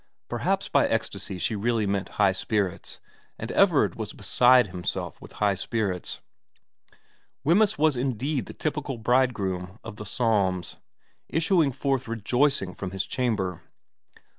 Perhaps by ecstasy she really meant high spirits, and Everard was beside himself with high spirits. Wemyss was indeed the typical bridegroom of the Psalms, issuing forth rejoicing from his chamber.